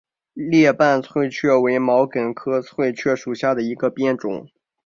裂瓣翠雀为毛茛科翠雀属下的一个变种。